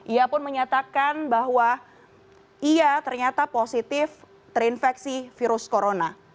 ia pun menyatakan bahwa ia ternyata positif terinfeksi virus corona